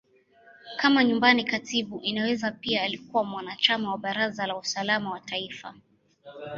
Kama Nyumbani Katibu, Inaweza pia alikuwa mwanachama wa Baraza la Usalama wa Taifa.